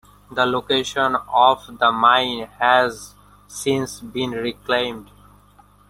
The location of the mine has since been reclaimed.